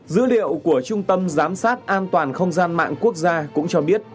dữ liệu của trung tâm giám sát an toàn không gian mạng quốc gia cũng cho biết